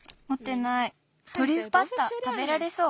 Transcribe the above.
トリュフパスタたべられそう？